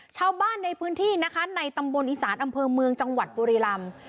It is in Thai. ชาวบ้านในพื้นที่นะคะในตำบลอีสานอำเภอเมืองจังหวัดบุรีรำ